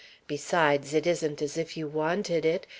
Besides, it isn't as if you wanted it.